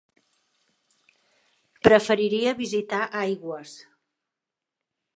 Preferiria visitar Aigües.